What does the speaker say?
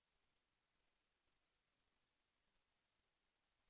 แสวได้ไงของเราก็เชียนนักอยู่ค่ะเป็นผู้ร่วมงานที่ดีมาก